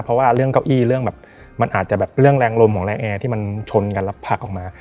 เพราะว่าเรื่องเก้าอี้เรื่องแบบมันอาจจะแบบเรื่องแรงลมของแรงแอร์ที่มันชนกันแล้วผลักออกมา